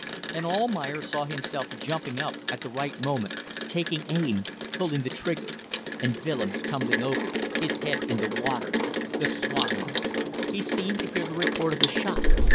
And Almayer saw himself jumping up at the right moment, taking aim, pulling the trigger and Willems tumbling over, his head in the water the swine! He seemed to hear the report of the shot.